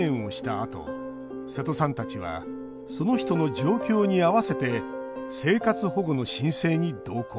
あと瀬戸さんたちはその人の状況に合わせて生活保護の申請に同行。